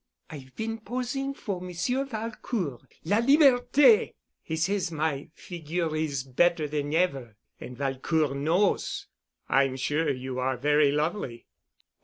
I've been posing for Monsieur Valcourt—La Liberté. He says my figure is better than ever. And Valcourt knows." "I'm sure you are very lovely."